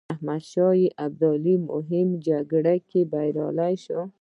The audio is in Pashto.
احمدشاه ابدالي په مهم جنګ کې بریالی شو.